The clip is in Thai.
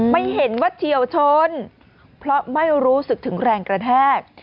ไม่เห็นว่าเฉียวชนเพราะไม่รู้สึกถึงแรงกระแทก